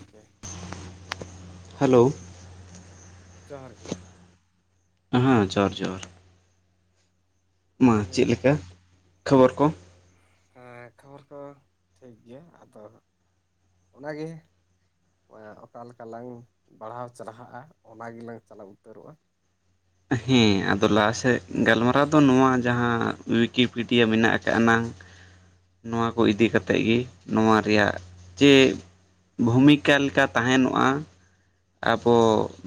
Okay, hello ᱡᱚᱦᱟᱨ ᱜᱮ᱾ ᱦᱮᱸ ᱡᱚᱦᱟᱨ ᱡᱚᱦᱟᱨ ᱾ ᱢᱟ ᱛᱚᱵᱮ ᱪᱮᱠ ᱞᱮᱠᱟ, ᱠᱷᱚᱵᱚᱨ ᱠᱚ᱾ ᱦᱮᱸ, ᱠᱷᱚᱵᱚᱨ ᱠᱚ ᱴᱷᱤᱠ ᱜᱮᱭᱟ᱾ ᱟᱫᱚ ᱚᱱᱟᱜᱮ ᱚᱠᱟ ᱞᱮᱠᱟ ᱞᱟᱝ ᱵᱟᱲᱦᱟᱣ ᱪᱟᱞᱦᱟᱜᱼᱟ, ᱚᱱᱟ ᱜᱮᱞᱟᱝ ᱪᱟᱞᱟᱣ ᱩᱛᱟᱹᱨᱚᱜᱼᱟ᱾ ᱦᱮᱸ, ᱟᱫᱚ ᱞᱟᱦᱟᱥᱮᱫ ᱜᱟᱞᱢᱟᱨᱟᱣ ᱫᱚ ᱱᱚᱣᱟ ᱡᱟᱦᱟᱸ ᱩᱭᱤᱠᱤᱯᱤᱰᱤᱭᱟ ᱢᱮᱱᱟᱜ ᱟᱠᱟᱫ ᱱᱟᱝ ᱱᱚᱣᱟ ᱠᱚ ᱤᱫᱤ ᱠᱟᱛᱮ ᱜᱮ, ᱱᱚᱣᱟ ᱨᱮᱭᱟᱜ ᱪᱮᱜ ᱵᱷᱩᱢᱤᱠᱟ ᱞᱮᱠᱟ ᱛᱟᱦᱮᱱᱚᱜᱼᱟ᱾ ᱟᱵᱚ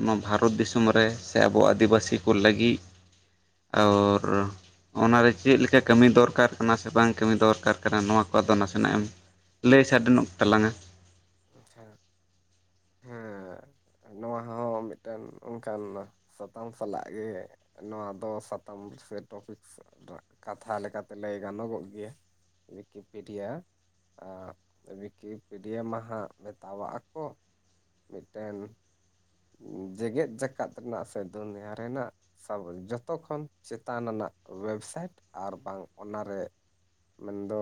ᱱᱚᱣᱟ ᱵᱷᱟᱨᱚᱛ ᱫᱤᱥᱚᱢ ᱨᱮ ᱥᱮ ᱟᱵᱚ ᱟᱹᱫᱤᱵᱟᱹᱥᱤ ᱠᱚ ᱞᱟᱹᱜᱤᱫ᱾ ᱟᱨ ᱚᱱᱟᱨᱮ ᱪᱮᱫ ᱞᱮᱠᱟ ᱠᱟᱹᱢᱤ ᱫᱚᱨᱠᱟᱨ ᱠᱟᱱᱟ ᱥᱮ ᱵᱟᱝ ᱠᱟᱹᱢᱤ ᱫᱚᱨᱠᱟᱨ ᱠᱟᱱᱟ ᱱᱚᱣᱟ ᱠᱚ ᱟᱫᱚ ᱱᱟᱥᱮᱱᱟᱜ ᱮᱢ ᱞᱟᱹᱭ ᱥᱰᱮ ᱱᱚᱜ ᱛᱟᱞᱟᱝᱟ᱾ ᱟᱪᱷᱟ ᱱᱚᱣᱟ ᱦᱚᱸ ᱢᱤᱫᱴᱟᱱ ᱚᱱᱠᱟᱱ ᱥᱟᱛᱟᱢ ᱥᱟᱞᱟᱜ ᱜᱮ ᱱᱚᱣᱟ ᱫᱚ ᱥᱟᱛᱟᱢ ᱥᱮ ᱴᱚᱯᱤᱠᱥ ᱨᱟᱜ ᱠᱟᱛᱷᱟ ᱞᱮᱠᱟᱛᱮ ᱞᱟᱹᱭ ᱜᱟᱱᱚᱜᱚᱜ ᱜᱮᱭᱟ ᱩᱭᱤᱠᱤᱯᱤᱰᱤᱭᱟ ᱟᱸᱜ ᱩᱭᱠᱤᱯᱤᱰᱤᱭᱟ ᱢᱟ ᱦᱟᱸᱜ ᱢᱮᱛᱟᱣᱟᱜ ᱠᱚ ᱢᱤᱫᱴᱮᱱ ᱡᱮᱜᱮᱛ ᱡᱟᱠᱟᱛ ᱨᱮᱱᱟᱜ ᱥᱮ ᱫᱩᱱᱭ ᱨᱮᱱᱟᱜ ᱥᱟᱵ [inaudible] ᱡᱚᱛᱚ ᱠᱷᱚᱱ ᱪᱮᱛᱟᱱᱱᱟᱜ ᱳᱭᱮᱵᱽᱥᱟᱭᱤᱴ ᱟᱨ ᱵᱟᱝ ᱚᱱᱟᱨᱮ ᱢᱮᱱᱫᱚ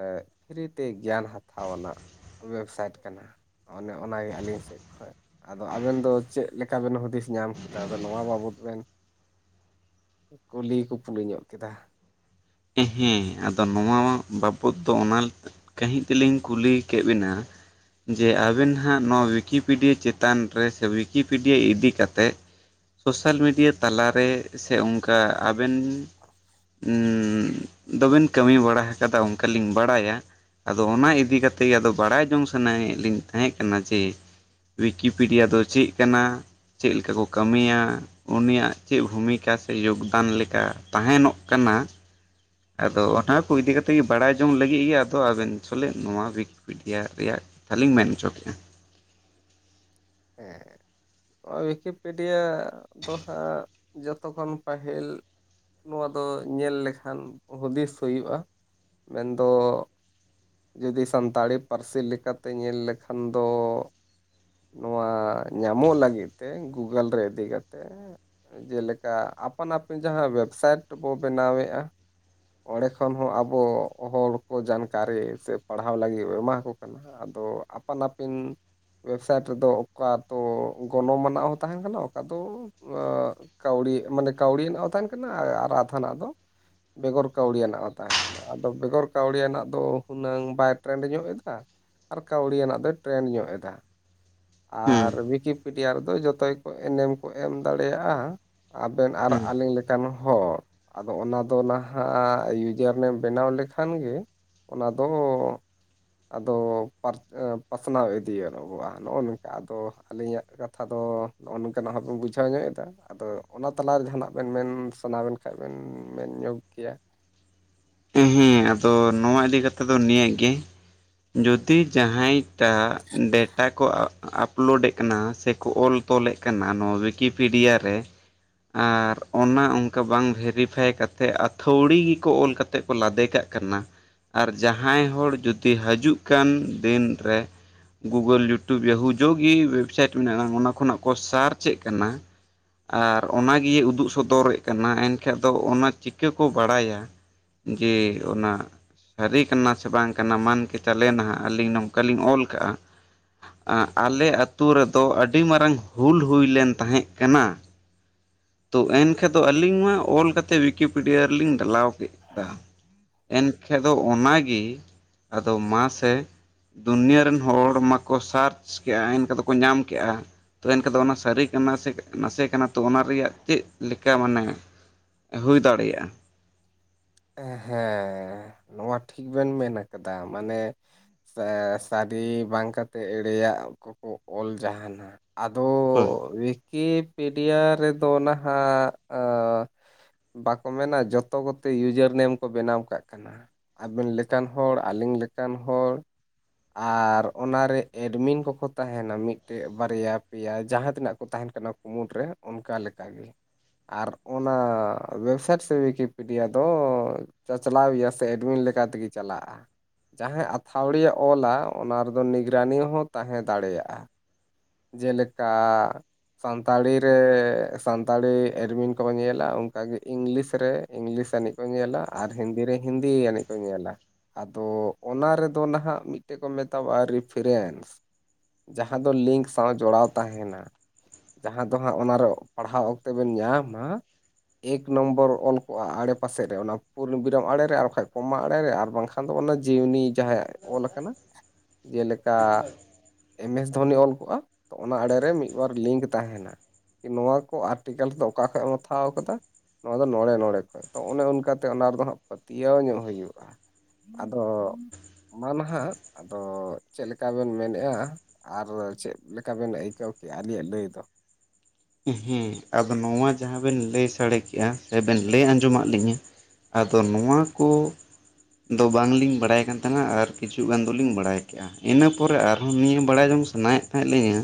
ᱮᱸᱜ ᱯᱷᱨᱤ ᱛᱮ ᱜᱮᱭᱟᱱ ᱦᱟᱛᱟᱣ ᱟᱱᱟᱜ ᱳᱭᱮᱵᱽᱥᱟᱭᱤᱴ ᱠᱟᱱᱟ᱾ ᱚᱱᱮ ᱚᱱᱟᱜᱮ ᱟᱹᱞᱤᱧ ᱥᱮᱫ ᱠᱷᱚᱱ ᱟᱫᱚ ᱟᱵᱮᱱ ᱫᱚ ᱪᱮᱫ ᱞᱮᱠᱟ ᱵᱮᱱ ᱦᱩᱫᱤᱥ ᱧᱟᱢ ᱠᱮᱫᱟ ᱟᱫᱚ ᱱᱚᱣᱟ ᱵᱟᱵᱚᱛ ᱵᱮᱱ ᱠᱩᱞᱤ ᱠᱚ ᱠᱩᱞᱤ ᱧᱚᱜ ᱠᱮᱫᱟ ᱦᱮᱸ ᱟᱫᱚ ᱱᱚᱣᱟ ᱵᱟᱵᱚᱛ ᱫᱚ ᱚᱱᱟ ᱠᱟ [unintelligible] ᱛᱮᱞᱤᱧ ᱠᱩᱞᱤ ᱠᱮᱫ ᱵᱮᱤᱱᱟ ᱡᱮ ᱟᱹᱵᱤᱱ ᱦᱟᱜ ᱱᱚᱣᱟ ᱣᱤᱠᱤᱯᱤᱰᱤᱭᱟ ᱪᱮᱛᱟᱱ ᱨᱮ ᱥᱮ ᱣᱤᱠᱤᱯᱤᱰᱤᱭᱟ ᱤᱫᱤ ᱠᱟᱛᱮᱫ ᱥᱚᱥᱟᱹᱞ ᱢᱤᱰᱤᱭᱟ ᱛᱟᱞᱟ ᱨᱮ ᱥᱮ ᱚᱱᱠᱟ ᱟᱹᱵᱮᱱ ᱫᱚᱵᱮᱱ ᱠᱟᱹᱢᱤ ᱵᱟᱲᱟ ᱟᱠᱟᱫᱟ ᱚᱱᱠᱟᱞᱤᱧ ᱵᱟᱲᱟᱭᱟ᱾ ᱟᱫᱚ ᱚᱱᱟ ᱤᱫᱤ ᱠᱟᱛᱮᱮᱫ ᱜᱮ ᱟᱫᱚ ᱵᱟᱲᱟᱭ ᱡᱚᱝ ᱥᱟᱱᱟᱭᱮᱫ ᱞᱤᱧ ᱛᱟᱦᱮᱸ ᱠᱟᱱᱟ ᱡᱮ ᱩᱭᱤᱠᱤᱯᱤᱰᱤᱭᱟ ᱫᱚ ᱪᱮᱫ ᱠᱟᱱᱟ, ᱪᱮᱫ ᱞᱮᱠᱟ ᱠᱚ ᱠᱟᱹᱢᱤᱭᱟ? ᱩᱱᱤᱭᱟᱜ ᱪᱮᱫ ᱵᱷᱩᱢᱤᱠᱟ ᱥᱮ ᱡᱳᱜᱽᱫᱟᱱ ᱞᱮᱠᱟ ᱛᱟᱦᱮᱱᱚᱜ ᱠᱟᱱᱟ᱾ ᱟᱫᱚ ᱚᱱᱟ ᱠᱚ ᱤᱫᱤ ᱠᱟᱛᱮᱫ ᱜᱮ ᱵᱟᱲᱟᱭ ᱡᱚᱝ ᱞᱟᱹᱜᱤᱫ ᱜᱮ ᱟᱫᱚ ᱟᱵᱮᱱ ᱟᱥᱚᱞᱮ ᱱᱚᱣᱟ ᱩᱭᱤᱠᱤᱯᱤᱰᱤᱭᱟ ᱨᱮᱭᱟᱜ ᱛᱟᱦ ᱞᱤᱧ ᱢᱮᱱ ᱚᱪᱚ ᱠᱮᱫᱼᱟ᱾ ᱦᱮᱸᱻ ᱣᱤᱠᱤᱯᱤᱰᱤᱭᱟ ᱫᱚ ᱦᱟᱸᱜ ᱡᱚᱛᱚ ᱠᱷᱚᱱ ᱯᱟᱹᱦᱤᱞ ᱱᱚᱣᱟ ᱫᱚ ᱧᱮᱞ ᱞᱮᱠᱷᱟᱱ ᱦᱩᱫᱤᱥ ᱦᱩᱭᱩᱜᱼᱟ ᱢᱮᱱᱫᱚᱻ ᱡᱩᱫᱤ ᱥᱟᱱᱛᱟᱲᱤ ᱯᱟᱹᱨᱥᱤ ᱞᱮᱠᱟᱛᱮ ᱧᱮᱞ ᱞᱮᱠᱷᱟᱱ ᱫᱚᱻ ᱱᱚᱣᱟ ᱧᱟᱢᱚᱜ ᱞᱟᱹᱜᱤᱫ ᱛᱮ ᱜᱩᱜᱳᱞ ᱨᱮ ᱤᱫᱤ ᱠᱟᱛᱮᱜ ᱡᱮᱞᱮᱠᱟ ᱟᱯᱟᱱ ᱟᱹᱯᱤᱱ ᱡᱟᱦᱟᱸ ᱣᱮᱵᱽᱥᱟᱭᱤᱴ ᱵᱚ ᱵᱮᱱᱟᱣᱮᱫᱼᱟ᱾ ᱚᱸᱰᱮ ᱠᱷᱚᱱ ᱦᱚᱸ ᱟᱵᱚ ᱦᱚᱲ ᱠᱚ ᱡᱟᱱᱠᱟᱨᱤ ᱥᱮ ᱯᱟᱲᱦᱟᱣ ᱞᱟᱹᱜᱤᱫ ᱮᱢᱟᱠᱚ ᱠᱟᱱᱟ ᱟᱫᱚ ᱟᱯᱟᱱ-ᱟᱹᱯᱤᱱ ᱱᱚᱛᱮ ᱫᱚ ᱚᱠᱟ ᱛᱚ ᱜᱚᱱᱚᱝ ᱟᱱᱟᱜ ᱦᱚᱸ ᱛᱟᱦᱮᱸ ᱠᱟᱱᱟ ᱚᱠᱟ ᱫᱚ ᱠᱟᱹᱣᱰᱤ ᱢᱟᱱᱮ ᱠᱟᱹᱣᱰᱤ ᱨᱮᱱᱟᱜ ᱦᱚᱸ ᱛᱟᱦᱮᱱ ᱠᱟᱱᱟ ᱟᱨ ᱟᱫᱷᱟᱱᱟᱜ ᱫᱚ ᱵᱮᱜᱚᱨ ᱠᱟᱹᱣᱰᱤᱭᱟᱱᱟᱜ ᱦᱚᱸ ᱛᱟᱦᱮᱱᱟ ᱟᱫᱚ ᱵᱮᱜᱚᱨ ᱠᱟᱹᱣᱰᱤᱭᱟᱱᱟᱜ ᱫᱚ ᱦᱩᱱᱟᱹᱝ ᱵᱟᱭ ᱴᱨᱮᱱᱰ ᱧᱚᱜ ᱮᱫᱟ ᱟᱨ ᱠᱟᱹᱣᱰᱤᱭᱟᱱᱟᱜ ᱫᱚᱭ ᱴᱨᱮᱱ ᱧᱚᱜ ᱮᱫᱟ ᱦᱩᱸ ᱟᱨ ᱣᱤᱠᱤᱯᱤᱰᱤᱭᱟ ᱨᱮᱫᱚ ᱡᱚᱛᱚ ᱜᱮᱠᱚ ᱮᱱᱮᱢ ᱠᱚ ᱮᱢ ᱫᱟᱲᱮᱭᱟᱜᱼᱟ ᱟᱹᱵᱤᱱ ᱟᱨ ᱦᱩᱸ ᱟᱹᱞᱤᱧ ᱞᱮᱠᱟᱱ ᱦᱚᱲ ᱟᱫᱚ ᱚᱱᱟ ᱫᱚ ᱱᱟᱦᱟᱜ ᱭᱩᱡᱟᱹᱨ ᱱᱮᱢ ᱵᱮᱱᱟᱣ ᱞᱮᱠᱷᱟᱱ ᱜᱮ ᱚᱱᱟ ᱫᱚ ᱟᱫᱚ ᱯᱟᱥᱱᱟᱣ ᱤᱫᱤᱭᱟᱱᱚᱜᱚᱜᱼᱟ ᱱᱚᱜ-ᱚ ᱱᱚᱝᱠᱟ ᱟᱫᱚ ᱟᱹᱞᱤᱧᱟᱜ ᱠᱟᱛᱷᱟ ᱫᱚ ᱱᱚᱜᱼᱚ ᱱᱚᱝᱠᱟᱱᱟᱜ ᱦᱚᱸ ᱵᱤᱱ ᱵᱩᱡᱷᱟᱹᱣ ᱧᱚᱜ ᱮᱫᱟ ᱟᱫᱚ ᱚᱱᱟ ᱛᱟᱞᱟᱨᱮ ᱡᱟᱦᱟᱱᱟᱜ ᱵᱤᱱ ᱢᱮᱱ ᱥᱟᱱᱟ ᱵᱤᱱ ᱠᱷᱟᱱ ᱵᱤᱱ ᱢᱮᱱ ᱧᱚᱜ ᱠᱮᱭᱟ ᱦᱮᱸ ᱟᱫᱚ ᱱᱚᱣᱟ ᱤᱫᱤ ᱠᱟᱛᱮᱫ ᱫᱚ ᱱᱤᱭᱟᱹ ᱜᱮ ᱡᱩᱫᱤ ᱡᱟᱦᱟᱸᱭ ᱟᱻ ᱰᱮᱴᱟ ᱠᱚ ᱟᱹᱯᱞᱳᱰᱮᱜ ᱠᱟᱱᱟ ᱥᱮ ᱠᱚ ᱚᱞ-ᱛᱚᱞᱮᱫ ᱠᱟᱱᱟ ᱱᱚᱣᱟ ᱣᱤᱠᱤᱯᱤᱰᱤᱭᱟ ᱨᱮ ᱟᱨ ᱚᱱᱟ ᱚᱱᱠᱟ ᱵᱟᱝ ᱵᱷᱮᱨᱤᱯᱷᱟᱭ ᱠᱟᱛᱮᱜ ᱟᱹᱛᱷᱟᱹᱣᱲᱤ ᱠᱚ ᱚᱞ ᱠᱟᱛᱮ ᱛᱮᱫ ᱠᱚ ᱞᱟᱫᱮ ᱠᱟᱜ ᱠᱟᱱᱟ ᱟᱨ ᱡᱟᱦᱟᱸᱭ ᱦᱚᱲ ᱡᱩᱫᱤ ᱦᱟᱹᱡᱩᱜ ᱠᱟᱱ ᱫᱤᱱ ᱨᱮ ᱜᱩᱜᱳᱞ ᱭᱩᱴᱩᱵᱽ ᱡᱟᱦᱟᱸ ᱜᱮ ᱣᱮᱵᱥᱟᱭᱤᱴ ᱢᱮᱱᱟᱜᱼᱟ ᱚᱱᱟ ᱠᱷᱚᱱᱟᱜ ᱠᱚ ᱥᱟᱨᱪ ᱪᱮᱜ ᱠᱟᱱᱟ ᱟᱨ ᱚᱱᱟᱜᱮ ᱩᱫᱩᱜ ᱥᱚᱫᱚᱨᱮᱫ ᱠᱟᱱᱟ ᱮᱱᱠᱷᱟᱱ ᱫᱚ ᱚᱱᱟ ᱪᱤᱠᱟᱹ ᱠᱚ ᱵᱟᱰᱟᱭᱟ? ᱡᱮᱻ ᱚᱱᱟ ᱥᱟᱹᱨᱤ ᱠᱟᱱᱟ ᱥᱮ ᱵᱟᱝ ᱠᱟᱱᱟ ᱢᱟᱱ ᱠᱮ ᱪᱟᱞᱮ ᱱᱟᱦᱟᱜ ᱟᱹᱞᱤᱧ ᱱᱚᱝᱠᱟ ᱞᱤᱧ ᱚᱞ ᱠᱟᱜᱼᱟ᱾ ᱟᱞᱮ ᱟᱛᱳ ᱨᱮᱫᱚ ᱟᱹᱰᱤ ᱢᱟᱨᱟᱝ ᱦᱩᱞ ᱦᱩᱭ ᱞᱮᱱ ᱛᱟᱦᱮᱸᱫ ᱠᱟᱱᱟ ᱛᱚ ᱮᱱᱠᱷᱟᱱ ᱫᱚ ᱟᱹᱞᱤᱧ ᱢᱟ ᱚᱞ ᱠᱟᱛᱮᱜ ᱣᱤᱠᱤᱯᱤᱰᱤᱭᱟ ᱨᱮ ᱞᱤᱧ ᱰᱟᱞᱟᱣ ᱠᱮᱫᱼᱟ ᱮᱱᱠᱷᱟᱱ ᱫᱚ ᱚᱱᱟᱜᱮ ᱟᱫᱚ ᱢᱟᱥᱮ ᱫᱩᱱᱭᱟᱹ ᱨᱮᱱ ᱦᱚᱲ ᱢᱟᱠᱚ ᱥᱟᱨᱪ ᱠᱮᱜᱼᱟ ᱮᱱᱠᱷᱟᱱ ᱫᱚᱠᱚ ᱧᱟᱢ ᱠᱮᱜᱼᱟ᱾ ᱛᱚ ᱮᱱᱠᱷᱟᱱ ᱫᱚ ᱚᱱᱟ ᱥᱟᱹᱨᱤ ᱠᱟᱱᱟ ᱥᱮ ᱱᱟᱥᱮ ᱠᱟᱱᱟ ᱛᱚ ᱚᱱᱟ ᱨᱮᱭᱟᱜ ᱪᱮᱫ ᱞᱮᱠᱟ ᱢᱟᱱᱮ ᱦᱩᱭ ᱫᱟᱲᱮᱭᱟᱜᱼᱟ ᱦᱮᱸ ᱱᱚᱣᱟ ᱴᱷᱤᱠ ᱵᱮᱱ ᱢᱮᱱ ᱟᱠᱟᱫᱟ ᱢᱟᱱᱮ ᱥᱟᱹᱨᱤ ᱵᱟᱝ ᱠᱟᱛᱮᱜ ᱮᱲᱮᱭᱟᱜ ᱠᱚᱠᱚ ᱚᱞ ᱡᱟᱦᱟᱱᱟ ᱟᱫᱚ ᱦᱳᱭ ᱣᱤᱠᱤᱯᱤᱰᱤᱭᱟ ᱨᱮᱫᱚ ᱱᱟᱦᱟᱜ ᱟᱸ ᱵᱟᱠᱚ ᱢᱮᱱᱟ ᱡᱚᱛᱚ ᱠᱚᱛᱮ ᱭᱩᱡᱟᱨᱱᱮᱢ ᱠᱚ ᱵᱮᱱᱟᱣ ᱠᱟᱜ ᱠᱟᱱᱟ ᱾ ᱟᱵᱮᱱ ᱞᱮᱠᱟᱱ ᱦᱚᱲ ᱟᱹᱞᱤᱧ ᱞᱮᱠᱟᱱ ᱦᱚᱲ ᱾ ᱟᱨ ᱚᱱᱟ ᱨᱮ ᱮᱰᱢᱤᱱ ᱠᱚᱠᱚ ᱛᱟᱦᱮᱱᱟ ᱢᱤᱫᱴᱮᱜ ᱵᱟᱨᱭᱟ ᱯᱮᱭᱟ ᱡᱟᱦᱟᱸ ᱛᱤᱱᱟᱹᱜ ᱠᱚ ᱛᱟᱦᱮᱱ ᱠᱟᱱᱟ ᱾ ᱠᱩᱢᱩᱴ ᱨᱮ ᱚᱱᱠᱟ ᱞᱮᱠᱟ ᱜᱮ, ᱟᱨ ᱚᱱᱟ ᱵᱮᱵᱽᱥᱟᱴ ᱥᱮ ᱣᱤᱠᱤᱯᱤ ᱨᱤᱭᱟ ᱫᱚ ᱪᱟᱪ-ᱞᱟᱣ ᱮᱭᱟ ᱥᱮ ᱮᱰᱢᱤᱱ ᱞᱮᱠᱟ ᱛᱮᱜᱮ ᱪᱟᱞᱟᱜᱼᱟ ᱾ ᱡᱟᱦᱟᱸᱭ ᱟᱛᱷᱟᱣᱲᱤ ᱮ ᱚᱞᱟ ᱚᱱᱟ ᱨᱮᱫᱚ ᱱᱤᱜᱽᱨᱟᱱᱤ ᱦᱚᱸ ᱛᱟᱦᱮᱸ ᱫᱟᱲᱮᱭᱟᱜᱼᱟ ᱾ ᱡᱮᱻᱞᱮᱠᱟ ᱥᱟᱱᱛᱟᱲᱤ ᱨᱮ ᱥᱟᱱᱛᱟᱲᱤ ᱮᱰᱢᱤᱱ ᱠᱚᱦᱚᱸ ᱧᱮᱞᱟ ᱚᱱᱠᱟ ᱜᱮ ᱤᱝᱜᱽᱞᱤᱥ ᱨᱮ ᱤᱝᱜᱽᱞᱤᱥ ᱟᱹᱱᱤᱡ ᱠᱚ ᱧᱮᱞᱟ ᱟᱨ ᱦᱤᱱᱫᱤ ᱨᱮ ᱦᱤᱱᱫᱤ ᱟᱹᱱᱤᱡ ᱠᱚ ᱧᱮᱞᱟ ᱟᱫᱚ ᱚᱱᱟ ᱨᱮᱫᱚ ᱱᱟᱦᱟᱜ ᱢᱤᱫᱴᱮᱜ ᱠᱚ ᱢᱮᱛᱟᱣᱟᱜᱼᱟ ᱨᱤᱯᱷᱨᱮᱱᱥ ᱡᱟᱦᱟᱸ ᱫᱚ ᱞᱤᱝᱠ ᱥᱟᱶ ᱡᱚᱲᱟᱣ ᱛᱟᱦᱮᱱᱟ ᱡᱟᱦᱟᱸ ᱫᱚ ᱦᱟᱸᱜ ᱚᱱᱟ ᱨᱮ ᱯᱟᱲᱦᱟᱣ ᱚᱠᱛᱮ ᱵᱮᱱ ᱧᱟᱢᱟ ᱮᱹᱠ ᱱᱚᱢᱵᱚᱨ ᱚᱞ ᱠᱚᱜᱼᱟ ᱟᱲᱮ ᱯᱟᱥᱮ ᱨᱮ ᱮᱠ ᱱᱳᱢᱵᱳᱨ ᱚᱞ ᱠᱚᱜᱼᱟ ᱟᱲᱮᱯᱟᱥᱮ ᱨᱮ ᱚᱱᱟ ᱯᱩᱨᱱᱵᱤᱨᱟᱢ ᱟᱲᱮᱨᱮ ᱟᱨ ᱵᱟᱝᱠᱷᱟᱱ ᱠᱚᱢᱟ ᱟᱲᱮᱨᱮ ᱟᱨ ᱵᱟᱝᱠᱷᱟᱱ ᱠᱷᱟᱱ ᱫᱚ ᱚᱱᱟ ᱡᱤᱣᱱᱤ ᱡᱟᱦᱟᱸᱭᱼᱟᱜ ᱚᱞ ᱟᱠᱟᱱᱟ ᱾ ᱡᱮᱞᱮᱠᱟ ᱮᱢᱮᱥ ᱫᱷᱚᱱᱤ ᱚᱞ ᱠᱚᱜᱼᱟ ᱾ ᱛᱚ ᱚᱱᱟ ᱟᱲᱮᱨᱮ ᱢᱤᱫ-ᱵᱟᱨ ᱞᱤᱝᱠ ᱛᱟᱦᱮᱱᱟ ᱾ ᱱᱚᱣᱟ ᱠᱚ ᱟᱨᱴᱤᱠᱟᱞᱴ ᱫᱚ ᱚᱠᱟ ᱠᱷᱚᱡ ᱮᱢ ᱦᱟᱛᱷᱟᱣ ᱠᱟᱫᱟ? ᱱᱚᱣᱟ ᱫᱚ ᱱᱚᱬᱮ ᱱᱚᱬᱮ ᱠᱷᱚᱡ ᱛᱚ ᱚᱱᱮ ᱚᱱᱠᱟ ᱛᱮ ᱚᱱᱟ ᱨᱮᱫᱚ ᱦᱟᱸᱜ ᱯᱟᱹᱛᱭᱟᱹᱣ ᱧᱚᱜ ᱦᱩᱭᱩᱜᱼᱟ ᱾ ᱟᱫᱚ ᱢᱟ ᱱᱟᱦᱟᱜ ᱟᱫᱚ ᱪᱮᱫ ᱞᱮᱠᱟ ᱵᱮᱱ ᱢᱮᱱᱮᱜᱼᱟ ᱟᱨ ᱪᱮᱫ ᱞᱮᱠᱟᱵᱮᱱ ᱟᱹᱭᱠᱟᱹᱣ ᱠᱮᱜᱼᱟ ᱟᱹᱞᱤᱧᱟᱜ ᱞᱟᱹᱭ ᱫᱚ ᱾ ᱦᱩᱸ ᱟᱫᱚ ᱱᱚᱣᱟ ᱡᱟᱦᱟᱸ ᱵᱮᱱ ᱞᱟᱹᱭ ᱥᱟᱲᱮ ᱠᱮᱜᱼᱟ ᱥᱮ ᱵᱮᱱ ᱞᱟᱹᱭ ᱟᱸᱡᱚᱢᱟᱜ ᱞᱤᱧᱟᱹ ᱾ ᱟᱫᱚ ᱱᱚᱣᱟ ᱠᱚ ᱫᱚ ᱵᱟᱝ ᱞᱤᱧ ᱵᱟᱲᱟᱭ ᱠᱟᱱ ᱛᱟᱦᱮᱱᱟ ᱟᱨ ᱠᱤᱪᱷᱩ ᱜᱟᱱ ᱫᱚᱞᱤᱧ ᱵᱟᱲᱟᱭ ᱠᱮᱜᱼᱟ ᱾ ᱤᱱᱟᱹ ᱯᱚᱨᱮ ᱟᱨᱦᱚᱸ ᱱᱤᱭᱟᱹ ᱵᱟᱲᱟᱭ ᱡᱚᱝ ᱥᱟᱱᱟᱭᱮᱫ ᱛᱟᱦᱮᱸ ᱞᱤᱧᱟᱹ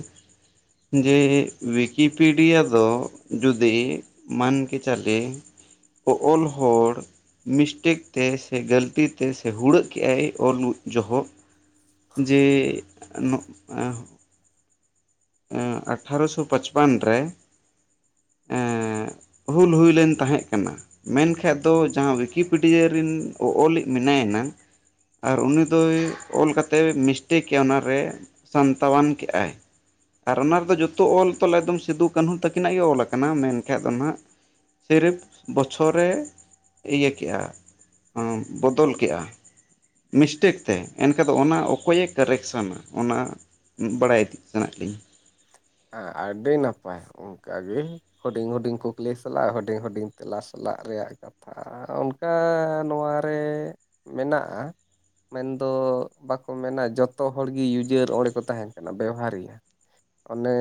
ᱡᱮ ᱣᱤᱠ ᱠᱤᱯᱤᱰᱤᱭᱟ ᱫᱚ ᱡᱩᱫᱤ ᱢᱟᱹᱱ ᱠᱮ ᱪᱟᱞᱮ ᱚᱜ-ᱚᱞ ᱦᱚᱲ ᱾ ᱢᱤᱥᱴᱮᱠ ᱛᱮ ᱥᱮ ᱜᱟᱹᱞᱛᱤ ᱛᱮ ᱥᱮ ᱦᱩᱲᱟᱹᱜ ᱠᱮᱜᱼᱟᱭ ᱚᱞ ᱡᱚᱦᱚᱜ ᱡᱮ ᱱᱚᱜ ᱟᱸ ᱮᱸ ᱟᱴᱷᱟᱨᱚᱥᱚ ᱯᱟᱪᱯᱟᱱ ᱨᱮ ᱮᱸ ᱦᱩᱞ ᱦᱩᱭᱞᱮᱱ ᱛᱟᱦᱮᱸᱜ ᱠᱟᱱᱟ ᱾ ᱢᱮᱱᱠᱷᱟᱡ ᱫᱚ ᱡᱟᱦᱟᱸ ᱣᱤᱠᱤᱯᱤᱰᱤᱭᱟᱹ ᱨᱮᱱ ᱚᱜ-ᱚᱞᱤᱡ ᱢᱮᱱᱟᱭᱟ ᱱᱟᱝ ᱟᱨ ᱩᱱᱤ ᱫᱚᱭ ᱚᱞ ᱠᱟᱛᱮ ᱢᱤᱥᱴᱮᱠᱮᱜ ᱠᱮᱼᱟ ᱚᱱᱟᱨᱮ ᱥᱟᱱᱛᱟᱣᱟᱱ ᱠᱮᱜᱼᱟᱭ ᱾ ᱟᱨ ᱚᱱᱟ ᱨᱮᱫᱚ ᱡᱚᱛᱚ ᱚᱞ ᱛᱚᱞ ᱮᱠᱫᱚᱢ ᱥᱤᱫᱩ ᱠᱟᱹᱱᱦᱩ ᱛᱟᱹᱠᱤᱱᱟᱜ ᱜᱮ ᱚᱞ ᱟᱠᱟᱱᱟ ᱢᱮᱱᱠᱟᱱᱡ ᱫᱚ ᱱᱟᱦᱟᱸᱜ ᱥᱤᱨᱤᱯ ᱵᱚᱪᱷᱚᱨᱮ ᱤᱭᱟᱹ ᱠᱮᱜᱼᱟ ᱾ ᱩᱸ ᱵᱚᱫᱚᱞ ᱠᱮᱜᱼᱟ ᱾ ᱢᱤᱥᱴᱮᱠ ᱛᱮ ᱮᱱᱠᱷᱟ ᱫᱚ ᱚᱱᱟ ᱚᱠᱚᱭᱮ ᱠᱟᱨᱮᱠᱥᱚᱱᱟ ᱚᱱᱟ? ᱩᱸᱜ ᱵᱟᱲᱟᱭ ᱤᱛᱤᱜ ᱥᱟᱱᱟᱭᱮᱜ ᱞᱤᱧᱟ ᱾ ᱟ-ᱟᱹᱰᱤ ᱱᱟᱯᱟᱭ ᱾ ᱚᱝᱠᱟ ᱜᱮ ᱦᱩᱰᱤᱧ ᱦᱩᱰᱤᱧ ᱠᱩᱠᱞᱤ ᱥᱮᱞᱟᱜ ᱦᱩᱰᱤᱧ ᱦᱩᱰᱤᱧ ᱛᱮᱞᱟ ᱥᱮᱞᱟᱜ ᱨᱮᱭᱟᱜ ᱠᱟ ᱛᱷᱟ ᱚᱱᱠᱟ ᱱᱚᱣᱟ ᱨᱮ ᱢᱮᱱᱟᱜᱼᱟ ᱾ ᱢᱮᱱᱫᱚ ᱵᱟᱠᱚ ᱢᱮᱱᱟ ᱡᱚᱛᱚ ᱦᱚᱲ ᱜᱤ ᱤᱭᱩᱡᱟᱹᱨ ᱚᱸᱲᱮ ᱠᱚ ᱛᱟᱦᱮᱱ ᱠᱟᱱᱟ ᱵᱮᱣᱦᱟᱨ ᱮᱭᱟ ᱾ ᱚᱱᱮ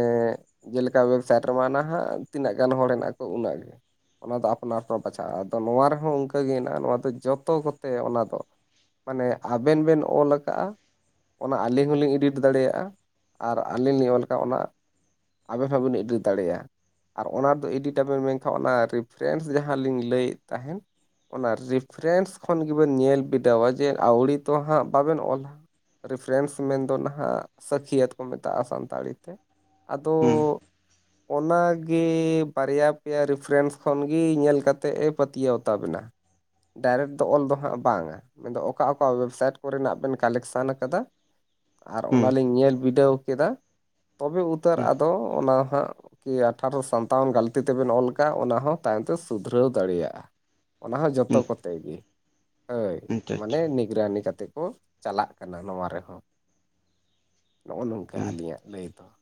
ᱡᱮᱞᱠᱟ ᱳᱭᱮᱵᱽᱥᱟᱭᱤᱴ ᱨᱮᱢᱟ ᱚᱱᱟ ᱦᱟᱜ ᱛᱤᱱᱟᱹᱜ ᱜᱟᱱ ᱦᱚᱲ ᱦᱮᱱᱟᱜ ᱠᱚ ᱩᱱᱟᱹᱜ ᱜᱮ ᱚᱱᱟ ᱫᱚ ᱟᱯᱱᱟᱨ ᱠᱚ ᱵᱟᱪᱷᱟᱜᱼᱟ ᱟᱫᱚ ᱱᱚᱣᱟ ᱨᱮᱦᱚᱸ ᱩᱱᱠᱟᱹ ᱦᱮᱱᱟᱜᱼᱟ ᱱᱚᱣᱟ ᱫᱚ ᱡᱚᱛᱚ ᱠᱚᱛᱮ ᱚᱱᱟ ᱫᱚ ᱾ ᱢᱟᱱᱮ ᱟᱵᱮᱱ ᱵᱮᱱ ᱚᱞ ᱟᱠᱟᱜᱼᱟ ᱾ ᱚᱱᱟ ᱟᱹᱞᱤᱧ ᱦᱚᱞᱤᱧ ᱮᱰᱤᱴ ᱫᱟᱲᱮᱭᱟᱜᱼᱟ ᱟᱨ ᱟᱹᱞᱤᱧ ᱞᱤᱧ ᱚᱞ ᱠᱟᱜᱼᱟ ᱚᱱᱟ ᱟᱵᱮ ᱦᱚᱸᱵᱮᱱ ᱮᱰᱤᱴ ᱫᱟᱲᱮᱭᱟ ᱾ ᱟᱨ ᱚᱱᱟ ᱫᱚ ᱮᱰᱤᱴ ᱟᱵᱮᱱ ᱢᱮᱱᱠᱷᱟᱱ ᱚᱱᱟ ᱨᱤᱯᱷᱨᱮᱱᱥ ᱡᱟᱦᱟᱸ ᱞᱤᱧ ᱞᱟᱹᱭᱮᱫ ᱛᱟᱦᱮᱸᱱ ᱾ ᱚᱱᱟ ᱨᱤᱯᱷᱟᱴᱨᱮᱱᱥ ᱠᱷᱚᱱ ᱜᱮᱵᱮᱱ ᱧᱮᱞ ᱵᱤᱰᱟᱹᱣᱼᱟ ᱡᱮ ᱟᱹᱣᱲᱤ ᱛᱚ ᱦᱟᱸᱜ ᱵᱟᱵᱮᱱ ᱚᱞᱟ ᱾ ᱨᱯᱷᱨᱮᱱᱥ ᱢᱮᱱ ᱫᱚ ᱱᱟᱦᱟᱜ ᱥᱟᱹᱠᱷᱤᱭᱟᱹᱟᱹᱛ ᱠᱚ ᱢᱮᱛᱟᱜᱼᱟ ᱥᱟᱱᱛᱟᱲᱤ ᱛᱮ ᱾ ᱟᱫᱚ ᱦ ᱚᱱᱟᱜᱮ ᱵᱟᱨᱭᱟ ᱯᱮᱭᱟ ᱨᱤᱯᱷᱟᱨᱮᱱᱥ ᱠᱷᱚᱱ ᱜᱮ ᱧᱮᱞ ᱠᱟᱛᱮᱜ ᱮ ᱯᱟᱹᱛᱭᱟᱹᱣᱛᱟᱵᱮᱱᱟ ᱰᱟᱭᱨᱮᱠᱴ ᱫᱚ ᱚᱞ ᱫᱚ ᱦᱟᱸᱜ ᱵᱟᱝᱟ ᱢᱮᱱᱫᱚ ᱚᱠᱟ ᱚᱠᱟ ᱣᱮᱵᱥᱟᱭᱤᱴ ᱠᱚᱨᱮᱱᱟᱜ ᱵᱮᱱ ᱠᱟᱞᱮᱠᱥᱚᱱ ᱟᱠᱟᱫᱟ ᱟᱨ ᱦᱩᱸ ᱚᱱᱟᱞᱤᱧ ᱧᱮᱞ ᱵᱤᱰᱟᱹᱣ ᱠᱮᱫᱟ ᱛᱚᱵᱮ ᱩᱛᱟᱹᱨ ᱦᱩᱸ ᱟᱫᱚ ᱚᱱᱟ ᱦᱟᱸᱜ ᱠᱤ ᱟᱴᱷᱟᱨᱚ ᱥᱟᱱᱛᱟᱣᱚᱱ ᱜᱟᱹᱞᱛᱤ ᱛᱮᱵᱮᱱ ᱚᱞ ᱠᱟᱜ ᱚᱱᱟ ᱦᱚᱸ ᱛᱟᱭᱚᱢ ᱛᱮ ᱥᱩᱫᱷᱨᱟᱹᱣ ᱫᱟᱲᱮ ᱭᱟᱜᱼᱟ ᱾ ᱚᱱᱟ ᱦᱚᱸ ᱡᱚᱛᱚ ᱦᱩᱸ ᱠᱚᱛᱮ ᱜᱮ ᱦᱳᱭ ᱟᱪᱪᱷᱟ ᱢᱟᱱᱮ ᱟᱪᱪᱷᱟ ᱱᱜᱽᱨᱟᱱᱤ ᱠᱟᱛᱮᱜ ᱠᱚ ᱪᱟᱞᱟᱜ ᱠᱟᱱᱟ ᱱᱚᱣᱟ ᱨᱮᱦᱚᱸ ᱱᱚᱜᱼᱚ ᱱᱚᱝᱠᱟ ᱟᱹᱞᱤᱧᱟᱜ ᱞᱟᱹᱭ ᱫᱚ ᱾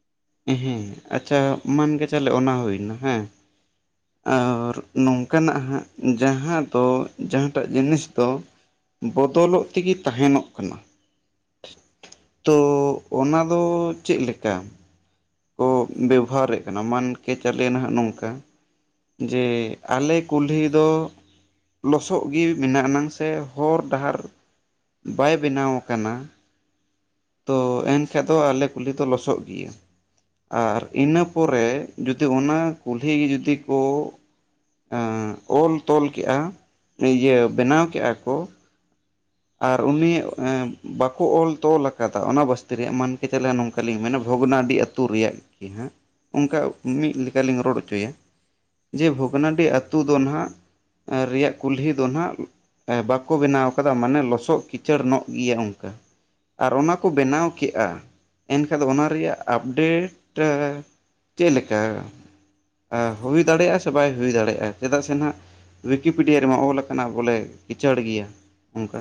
ᱤᱦᱮᱸ ᱟᱪᱪᱷᱟ ᱢᱟᱱᱠᱮ ᱪᱟᱞᱳ ᱚᱱᱟ ᱦᱩᱭ ᱮᱱᱟ ᱦᱮᱸ ᱾ ᱟᱸᱨ ᱱᱚᱝᱠᱟ ᱱᱟᱜ ᱦᱟᱸᱜ ᱡᱟᱦᱟᱸ ᱫᱚ ᱡᱟᱦᱟᱸᱴᱟᱜ ᱡᱤᱱᱤᱥ ᱫᱚ ᱵᱚᱫᱚᱞᱚᱜ ᱛᱮᱜᱤ ᱛᱟᱦᱮᱸᱱᱚᱜ ᱠᱟᱱᱟ ᱾ ᱛᱚ ᱚᱱᱟ ᱫᱚ ᱪᱮᱫ ᱞᱮᱠᱟ? ᱠᱚ ᱵᱮᱵᱚᱦᱟᱨᱮᱫ ᱠᱟᱱᱟ ᱢᱟᱱᱠᱮ ᱪᱟᱞᱮᱭᱮᱱᱟ ᱱᱟᱦᱟᱜ ᱱᱚᱝᱠᱟ ᱡᱮ ᱟᱞᱮ ᱠᱩᱞᱦᱤ ᱫᱚ ᱞᱚᱥᱚᱜ ᱜᱮ ᱢᱮᱱᱟᱜ ᱟᱱᱟᱝ ᱥᱮ ᱦᱚᱨ ᱰᱟᱦᱟᱨ ᱵᱟᱭ ᱵᱮᱱᱟᱣ ᱟᱠᱟᱱᱟ ᱛᱚ ᱮᱱᱠᱷᱟᱡ ᱫᱚ ᱟᱞᱮ ᱠᱩᱞᱦᱤ ᱫᱚ ᱞᱚᱥᱚᱫ ᱜᱮᱭᱟ ᱟᱨ ᱤᱱᱟᱹ ᱯᱚᱨᱮ ᱡᱩᱫᱤ ᱚᱱᱟ ᱠᱩᱞᱦᱤ ᱡᱩᱫᱤ ᱠᱚ ᱚᱞ ᱛᱚᱞ ᱠᱮᱫᱮᱜᱼᱟ ᱤᱭᱟᱹ ᱵᱮᱱᱟᱣ ᱠᱮᱫᱼᱟ ᱠᱚ ᱟᱨ ᱩᱱᱤ ᱵᱟᱠᱚ ᱚᱞ ᱛᱚᱞ ᱟᱠᱟᱫᱟ ᱚᱱᱟ ᱵᱟᱥᱛᱮ ᱨᱮᱭᱟᱜ ᱢᱟᱱᱠᱮ ᱪᱟᱞᱮ ᱱᱚᱝᱠᱟᱞᱤᱧ ᱢᱮᱱᱟ ᱵᱷᱚᱜᱽᱱᱟᱰᱤ ᱟᱹᱛᱩ ᱟᱹᱛᱩ ᱨᱮᱭᱟᱜ ᱜᱮ ᱦᱟᱸᱜ ᱚᱱᱠᱟ ᱢᱤᱫ ᱞᱮᱠᱟᱞᱤᱧ ᱨᱚᱲ ᱚᱪᱚᱭᱟ ᱡᱮ ᱵᱷᱚᱜᱽᱱᱟᱰᱤ ᱟᱹᱛᱩ ᱫᱚ ᱱᱟᱦᱟᱜ ᱨᱮᱭᱟᱜ ᱠᱩᱞᱦᱤ ᱫᱚ ᱱᱟᱦᱟᱜ ᱵᱟᱠᱚ ᱵᱮᱱᱟᱣ ᱟᱠᱟᱫᱟ ᱢᱟᱱᱮ ᱞᱚᱥᱚᱫ ᱠᱤᱪᱟᱹᱲ ᱧᱚᱜ ᱜᱮᱭᱟ ᱚᱱᱠᱟ ᱟᱨ ᱚᱱᱟ ᱠᱚ ᱵᱮᱱᱟᱣ ᱠᱮᱫᱮᱜᱼᱟ ᱮᱱᱠᱷᱟᱱ ᱫᱚ ᱚᱱᱟ ᱨᱮᱭᱟᱜ ᱟᱯᱰᱮᱴ ᱪᱮᱫ ᱞᱮᱠᱟ ᱦᱩᱭ ᱫᱟᱲᱮᱭᱟᱜᱼᱟ ᱥᱮ ᱵᱟᱭ ᱦᱩᱭ ᱫᱟᱲᱮᱭᱟᱜᱼᱟ ᱪᱮᱫᱟᱜ ᱥᱮ ᱱᱟᱜ ᱭᱤᱠᱤᱯᱤᱰᱤᱭᱟ ᱨᱮᱢᱟ ᱚᱞ ᱟᱠᱟᱱᱟ ᱵᱚᱞᱮ ᱠᱤᱪᱟᱹᱲ ᱜᱮᱭᱟ ᱚᱱᱠᱟ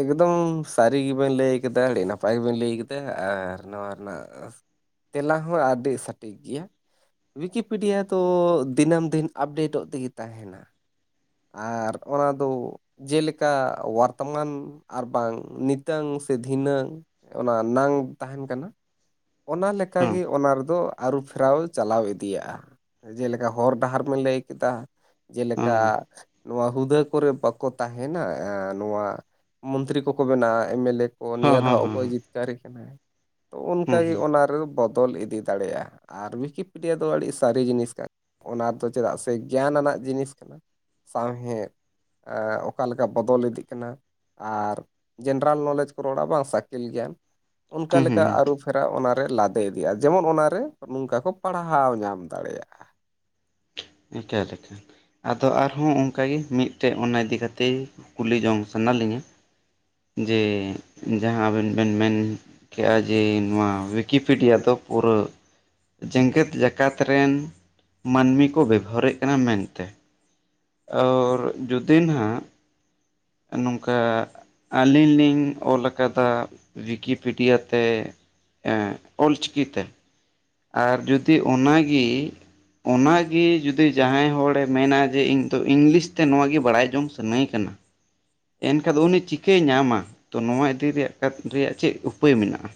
ᱮᱠᱫᱚᱢ ᱥᱟᱹᱨᱤ ᱜᱮᱵᱮᱱ ᱞᱟᱹᱭ ᱠᱮᱫᱟ ᱟᱹᱰᱤ ᱱᱟᱯᱟᱭ ᱜᱮᱵᱮᱱ ᱞᱟᱹᱭ ᱠᱮᱫᱟ ᱟᱨ ᱱᱚᱣᱟ ᱨᱮᱱᱟᱜ ᱛᱮᱞᱟ ᱦᱚᱸ ᱟᱹᱰᱤ ᱥᱚᱴᱷᱤᱠ ᱜᱮᱭᱟ ᱭᱠᱤᱯᱤᱰᱤᱭᱟ ᱫᱚ ᱫᱤᱱᱟᱹᱢ ᱫᱤᱱ ᱟᱯᱰᱮᱴᱚᱜ ᱛᱮᱜᱮ ᱛᱟᱦᱮᱱᱟ ᱟᱨ ᱚᱱᱟᱫᱚ ᱡᱮᱞᱮᱠᱟ ᱵᱚᱨᱛᱚᱢᱟᱱ ᱟᱨᱵᱟᱝ ᱱᱤᱛᱟᱝ ᱥᱮ ᱫᱷᱤᱱᱟᱹᱝ ᱚᱱᱟ ᱱᱟᱝ ᱛᱟᱦᱮᱱ ᱠᱟᱱᱟ ᱚᱱᱟ ᱞᱮᱠᱟ ᱦᱮᱸ ᱜᱮ ᱚᱱᱟ ᱨᱮᱫᱚ ᱟᱹᱨᱩ ᱯᱷᱮᱨᱟᱣ ᱪᱟᱞᱟᱣ ᱤᱫᱤᱭᱟᱜᱼᱟ ᱡᱮᱞᱮᱠᱟ ᱦᱚᱨ ᱰᱟᱦᱟᱨ ᱞᱟᱹᱭ ᱠᱮᱫᱟ ᱡᱮᱞᱮᱠᱟ ᱦᱮᱸ ᱱᱚᱣᱟ ᱦᱩᱫᱟᱹ ᱠᱚᱨᱮ ᱵᱟᱠᱚ ᱛᱟᱦᱮᱱᱟ ᱮᱸ ᱱᱚᱣᱟ ᱢᱚᱱᱛᱨᱤ ᱠᱚᱠᱚ ᱵᱮᱱᱟᱣᱟ ᱮᱢ ᱮᱞ ᱮ ᱠᱚ ᱦᱮᱸ ᱱᱤᱭᱟᱹ ᱫᱷᱟᱣ ᱦᱮᱸ ᱚᱠᱚᱭ ᱦᱮᱸ ᱡᱤᱛᱠᱟᱹᱨᱤ ᱠᱟᱱᱟᱭ ᱛᱚ ᱚᱱᱠᱟᱜᱮ ᱦᱮᱸ ᱦᱮᱸ ᱚᱱᱟ ᱨᱮ ᱵᱚᱞ ᱵᱚᱫᱚᱞ ᱤᱫᱤ ᱫᱟᱲᱮᱭᱟᱜᱼᱟ ᱟᱨ ᱩᱭᱤᱠᱤᱯᱮᱰᱤᱭᱟ ᱫᱚ ᱟᱹᱰᱤ ᱥᱟᱹᱨᱤ ᱡᱤᱱᱤᱥ ᱠᱟᱱᱟ ᱚᱱᱟᱫᱚ ᱪᱮᱫᱟᱜ ᱥᱮ ᱜᱮᱭᱟᱱ ᱟᱱᱟᱜ ᱡᱤᱱᱤᱥ ᱠᱟᱱᱟ ᱥᱟᱶᱦᱮᱫ ᱚᱠᱟ ᱞᱮᱠᱟ ᱵᱚᱫᱚᱞ ᱤᱫᱤᱜ ᱠᱟᱱᱟ ᱟᱨ ᱡᱮᱱᱟᱨᱮᱞ ᱱᱚᱞᱮᱡᱽ ᱠᱚ ᱨᱚᱲᱟ ᱵᱟᱝ ᱥᱟᱠᱮᱞ ᱜᱮᱭᱟᱱ ᱚᱱᱠᱟ ᱦᱮᱸ ᱞᱮᱠᱟ ᱦᱮᱸ ᱟᱹᱨᱩ ᱯᱷᱮᱨᱟᱣ ᱚᱱᱟᱨᱮ ᱞᱟᱫᱮ ᱤᱫᱤᱜᱼᱟ ᱡᱮᱢᱚᱱ ᱚᱱᱟᱨᱮ ᱱᱚᱝᱠᱟ ᱠᱚ ᱯᱟᱲᱦᱟᱣ ᱧᱟᱢ ᱫᱟᱲᱮᱭᱟᱜᱼᱟ ᱮᱠᱟᱹ ᱞᱮᱠᱟ ᱟᱫᱚ ᱟᱨᱦᱚᱸ ᱚᱱᱠᱟ ᱜᱮ ᱢᱤᱫᱴᱮᱱ ᱚᱱᱟ ᱤᱫᱤ ᱠᱟᱛᱮ ᱠᱩᱞᱤ ᱡᱚᱝ ᱥᱟᱱᱟ ᱞᱤᱧᱟᱹ ᱡᱮ ᱡᱟᱦᱟᱸ ᱟᱵᱮᱱ ᱵᱮᱱ ᱢᱮᱱ ᱠᱮᱼᱟ ᱡᱮ ᱱᱚᱣᱟ ᱩᱭᱤᱠᱤᱯᱤᱰᱤᱭᱟ ᱫᱚ ᱯᱩᱨᱟᱹ ᱡᱮᱸᱜᱮᱛ ᱡᱟᱠᱟᱛ ᱨᱮᱱ ᱢᱟᱹᱱᱢᱤ ᱠᱚ ᱵᱮᱵᱚᱦᱟᱨᱮᱫ ᱠᱟᱱᱟ ᱢᱮᱱᱛᱮ ᱟᱨ ᱡᱩᱫᱤ ᱦᱟᱸᱜ ᱱᱚᱝᱠᱟ ᱟᱹᱞᱤᱧ ᱞᱤᱧ ᱚᱞ ᱟᱠᱟᱫᱟ ᱞᱤᱠᱤᱯᱤᱰᱤᱭᱟᱛᱮ ᱮᱸ ᱚᱞᱪᱤᱠᱤᱛᱮ ᱟᱨ ᱡᱩᱫᱤ ᱚᱱᱟᱜᱮ ᱚᱱᱟᱜᱮ ᱡᱩᱫᱤ ᱡᱟᱦᱟᱸᱭ ᱦᱚᱲᱮ ᱢᱮᱱᱟ ᱡᱮ ᱤᱧ ᱫᱚ ᱤᱝᱞᱤᱥ ᱛᱮ ᱱᱚᱭᱟ ᱜᱮ ᱵᱟᱲᱟᱭ ᱡᱚᱝ ᱥᱟ ᱥᱟᱹᱱᱟᱹᱭ ᱠᱟᱱᱟ ᱮᱱᱠᱷᱟᱱ ᱫᱚ ᱩᱱᱤ ᱪᱤᱠᱟᱹᱭ ᱧᱟᱢᱟ ᱛᱚ ᱱᱚᱣᱟ ᱤᱫᱤ ᱨᱮᱭᱟᱜ ᱨᱮᱭᱟᱜ ᱪᱮᱫ ᱩᱯᱟᱹᱭ ᱢᱮᱱᱟᱜᱼᱟ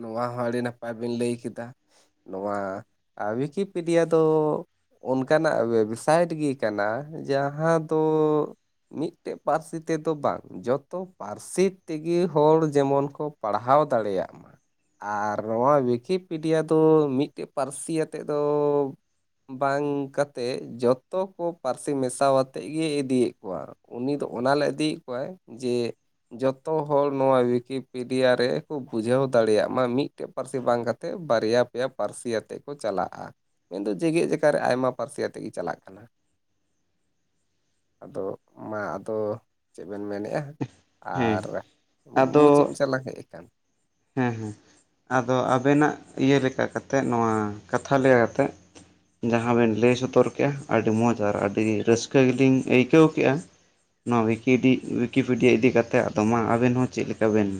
ᱱᱚᱣᱟ ᱦᱚᱸ ᱟᱹᱰᱤ ᱱᱟᱯᱟᱭ ᱵᱮᱤᱱ ᱞᱟᱹᱭ ᱠᱮᱫᱟ ᱱᱚᱣᱟ ᱩᱭᱤᱠᱤᱯᱤᱰᱤᱭᱟ ᱫᱚ ᱚᱱᱠᱟᱱᱟᱜ ᱳᱭᱮᱵᱽᱥᱟᱭᱤᱴ ᱜᱮ ᱠᱟᱱᱟ ᱡᱟᱦᱟᱸ ᱫᱚ ᱢᱤᱫᱴᱮᱡ ᱯᱟᱹᱨᱥᱤ ᱛᱮᱫᱚ ᱵᱟᱝ ᱡᱚᱛᱚ ᱯᱟᱹᱨᱥᱤ ᱛᱮᱜᱮ ᱦᱚᱲ ᱡᱮᱢᱚᱱ ᱠᱚ ᱯᱟᱲᱦᱟᱣ ᱫᱟᱲᱮᱭᱟᱜ ᱢᱟ ᱟᱨ ᱱᱚᱣᱟ ᱩᱭᱤᱠᱤᱯᱤᱰᱤᱭᱟ ᱫᱚ ᱢᱤᱫᱴᱮᱡ ᱯᱟᱹᱨᱥᱤ ᱤᱭᱟᱛᱮᱫ ᱫᱚ ᱵᱟᱝ ᱠᱟᱛᱮ ᱡᱚᱛᱚ ᱠᱚ ᱯᱟᱹᱨᱥᱤ ᱢᱮᱥᱟ ᱟᱛᱮᱫ ᱜᱮ ᱤᱫᱤᱭᱮᱫ ᱠᱚᱣᱟ ᱩᱱᱤ ᱫᱚ ᱚᱱᱟᱞᱮ ᱤᱫᱤᱭᱮᱫ ᱠᱚᱣᱟᱭ ᱡᱮ ᱡᱚᱛᱚ ᱦᱚᱲ ᱱᱚᱣᱟ ᱩᱭᱤᱠᱤᱯᱤᱰᱤᱭᱟ ᱨᱮ ᱠᱚ ᱵᱩᱡᱷᱟᱹᱣ ᱫᱟᱲᱮᱭᱟᱜ ᱢᱟ ᱢᱤᱫᱴᱮᱡ ᱯᱟᱹᱨᱥᱤ ᱵᱟᱝ ᱠᱟᱛᱮᱫ ᱵᱟᱨᱭᱟ ᱯᱮᱭᱟ ᱯᱟᱹᱨᱥᱤ ᱟᱛᱮᱫ ᱠᱚ ᱪᱟᱞᱟᱜᱼᱟ ᱢᱮᱱᱫᱚ ᱡᱮᱸᱜᱮᱛ ᱡᱟᱠᱟᱛ ᱨᱮ ᱟᱭᱢᱟ ᱯᱟᱹᱨᱥᱤ ᱟᱛᱮᱫ ᱜᱮ ᱪᱟᱞᱟᱜ ᱠᱟᱱᱟ [inaudible] ᱟᱫᱚ ᱢᱟ ᱟᱫᱚ ᱪᱮᱫ ᱵᱮᱱ ᱢᱮᱱᱮᱫᱼᱟ ᱦᱮᱸ ᱟᱨ ᱢᱩᱪᱟᱹᱫ ᱟᱫᱚ ᱢᱩᱪᱟ ᱞᱝ ᱦᱮᱡ ᱟᱠᱟᱱ [unintelligible] ᱦᱮᱸ ᱦᱮᱸ ᱟᱫᱚ ᱟᱵᱮᱱᱟᱜ ᱤᱭᱟᱹ ᱞᱮᱠᱟ ᱠᱟᱛᱮ ᱱᱚᱣᱟ ᱠᱟᱛᱷᱟ ᱞᱮᱠᱟ ᱞᱮᱠᱟ ᱠᱟᱛᱮ ᱡᱟᱦᱟᱸ ᱵᱮᱱ ᱞᱟᱹᱭ ᱥᱚᱫᱚᱨ ᱠᱮᱫᱮᱜᱼᱟ ᱟᱹᱰᱤ ᱢᱚᱸᱡᱽ ᱟᱨ ᱟᱹᱰᱤ ᱨᱟᱹᱥᱠᱟᱹ ᱜᱮᱞᱤᱧ ᱟᱹᱭᱠᱟᱹᱣ ᱠᱮᱫᱼᱟ ᱱᱚᱣᱟ ᱩᱭᱤᱠᱤᱯᱮᱰᱤᱭᱟ ᱤᱫᱤ ᱠᱟᱛᱮᱫ ᱟᱫᱚ ᱢᱟ ᱟᱵᱮᱱ ᱦᱚᱸ ᱪᱮᱫ ᱞᱮᱠᱟ ᱵᱮᱱ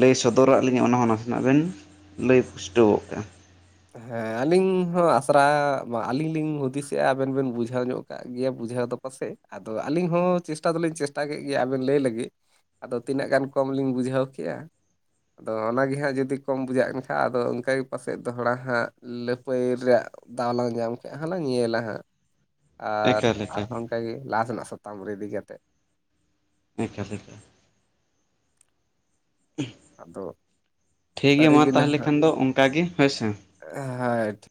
ᱞᱟᱹᱭ ᱥᱚᱫᱚᱨᱟᱜ ᱞᱤᱧᱟᱹ ᱚᱱᱟ ᱦᱚᱸ ᱱᱟᱥᱮᱱᱟᱜ ᱵᱮᱱ ᱞᱟᱹᱭ ᱯᱩᱥᱴᱟᱹᱣᱚᱜ ᱠᱟᱜᱼᱟ ᱦᱮᱸ ᱟᱹᱞᱤᱧ ᱦᱚᱸ ᱟᱥᱨᱟ ᱟᱹᱞᱤᱧ ᱞᱤᱧ ᱦᱩᱫᱤᱥᱮᱜᱼᱟ ᱟᱵᱮᱱ ᱵᱮᱱ ᱵᱩᱡᱷᱟᱹᱣ ᱧᱚᱜ ᱠᱟᱜ ᱜᱮᱭᱟ ᱵᱩᱡᱷᱟᱹᱣ ᱫᱚ ᱯᱟᱥᱮᱡ ᱟᱫᱚ ᱟᱹᱞᱤᱧ ᱦᱚᱸ ᱪᱮᱥᱴᱟ ᱫᱚᱞᱤᱧ ᱪᱮᱥᱴᱟ ᱠᱮᱫ ᱜᱮᱭᱟ ᱟᱵᱮᱱ ᱞᱟᱹᱭ ᱞᱟᱹᱜᱤᱫ ᱟᱫᱚ ᱛᱤᱱᱟᱹᱜ ᱜᱟᱱ ᱠᱚᱢ ᱞᱤᱧ ᱵᱩᱡᱷᱟᱹᱣ ᱠᱮᱫᱼᱟ ᱟᱫᱚ ᱦᱟᱸᱜ ᱡᱩᱫᱤ ᱠᱚᱢ ᱵᱩᱡᱷᱟᱜ ᱮᱱ ᱠᱷᱟᱱᱡ ᱟᱫᱚ ᱚᱱᱠᱟ ᱜᱮ ᱯᱟᱥᱮᱫ ᱫᱚᱦᱲᱟᱟ ᱦᱟᱸᱜ ᱞᱟᱹᱯᱟᱹᱭ ᱨᱮᱭᱟᱜ ᱫᱟᱣ ᱞᱟᱝ ᱧᱟᱢ ᱦᱟᱸ ᱞᱟᱝ ᱧᱮᱞᱟ ᱦᱟᱸᱜ ᱟᱨ ᱮᱠᱟᱞ ᱮᱠᱟᱞ ᱟᱨᱦᱚᱸ ᱚᱱᱠᱟᱜᱮ ᱞᱟᱦᱟ ᱥᱮᱱᱟᱜ ᱥᱟᱛᱟᱢ ᱨᱮ ᱤᱫᱤ ᱠᱟᱛᱮᱫ ᱮᱠᱟᱞ ᱮᱠᱟᱞ ᱟᱫᱚ ᱴᱷᱤᱠ ᱜᱮᱭᱟ ᱢᱟ ᱛᱟᱦᱚᱞᱮ ᱠᱷᱟᱱ ᱫᱚ ᱚᱱᱠᱟᱟᱜ ᱜᱮ ᱦᱳᱭᱥᱮ ᱦᱮᱸ ᱴᱷᱤᱠ